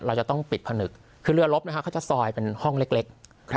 เราจะต้องปิดผนึกคือเรือลบเขาจะซอยเป็นห้องเล็ก